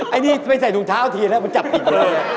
ไอ้นี่ไปใส่ถุงเท้าทีแล้วมันจับผิดเลย